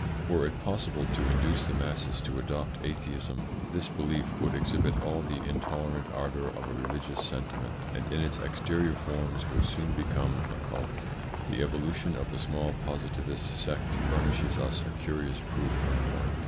Were it possible to induce the masses to adopt atheism, this belief would exhibit all the intolerant ardour of a religious sentiment, and in its exterior forms would soon become a cult. The evolution of the small Positivist sect furnishes us a curious proof in point.